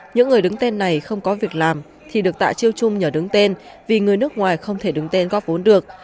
những người đứng tên này không có việc làm thì được tạ chiêu chung nhờ đứng tên vì người nước ngoài không thể đứng tên góp vốn được